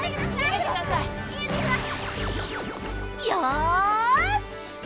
よし！